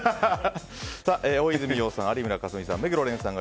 大泉洋さん、有村架純さん